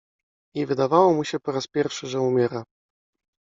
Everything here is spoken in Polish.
I wydawało mu się po raz pierwszy, że umiera.